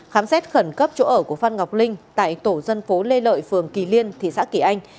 khám xét khẩn cấp chỗ ở của phan ngọc linh tại tổ dân phố lê lợi phường kỳ liên thị xã kỳ anh